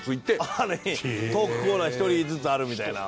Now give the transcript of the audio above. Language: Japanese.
あれトークコーナー１人ずつあるみたいな。